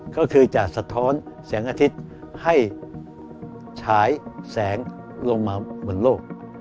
ก็คือจะสะท้อนแสงอาทิตย์ให้ฉายแสงลงมาบนโลก